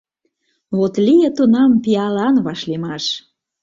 Вет лие тунам Пиалан вашлиймаш.